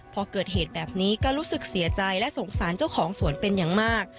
พอเกิดเหตุแบบนี้ก็รู้สึกเสียใจและสงสารเจ้าของสวนเป็นอย่างมาก